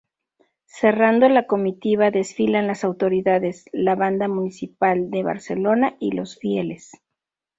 Cerrando la comitiva desfilan las autoridades, la Banda Municipal de Barcelona y los fieles.